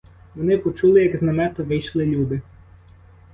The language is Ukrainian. Вони почули, як з намету вийшли люди.